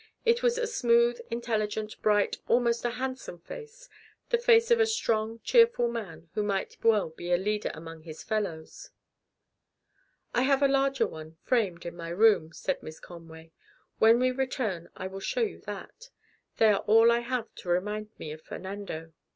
It was a smooth, intelligent, bright, almost a handsome face the face of a strong, cheerful man who might well be a leader among his fellows. "I have a larger one, framed, in my room," said Miss Conway. "When we return I will show you that. They are all I have to remind me of Fernando.